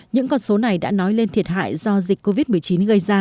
những con số này đã nói lên thiệt hại do dịch covid một mươi chín gây ra